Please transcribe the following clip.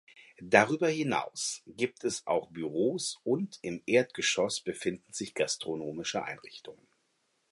Darüber hinaus gibt es auch Büros und im Erdgeschoss befinden sich gastronomische Einrichtungen.